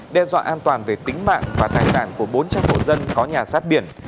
đe dọa an toàn về tính mạng và tài sản của bốn trăm linh hộ dân có nhà sát biển